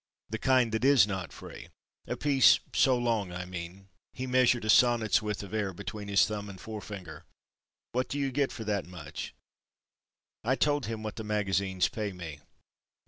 The kind that is not free. A piece so long I mean."—He measured a sonnet's width of air between his thumb and fore finger—"what do you get for that much?" I told him what the magazines pay me.